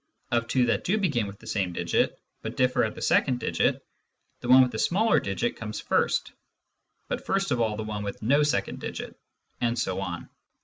Of two that do begin with the same digit, but differ at the second digit, the one with the smaller second digit comes first, but first of all the one with no second digit ; and so on.